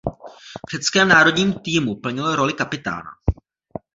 V řeckém národním týmu plnil roli kapitána.